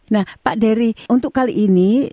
nah pak derry untuk kali ini